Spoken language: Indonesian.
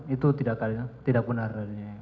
itu tidak benar